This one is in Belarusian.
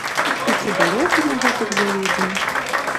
І ці далёка мы гэтак заедзем?